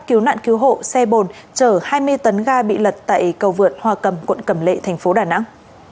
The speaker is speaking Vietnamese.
cứu nạn cứu hộ xe bồn chở hai mươi tấn ga bị lật tại cầu vượt hòa cầm quận cầm lệ tp đà nẵng